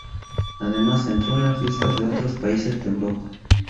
Además, entró en las listas de otros países de Europa.